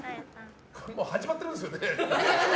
始まっているんですよね？